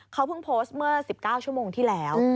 เขาเพิ่งโพสต์เมื่อ๑๙ชั่วโมงที่แล้ว